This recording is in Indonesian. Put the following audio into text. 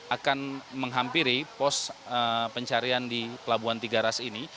akan menghampiri pos pencarian di pelabuhan tiga ras ini